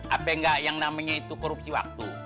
apa enggak yang namanya itu korupsi waktu